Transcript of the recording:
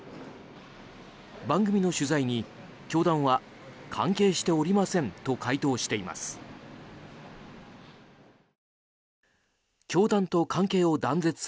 番組の取材に、教団は関係しておりませんと回答しています。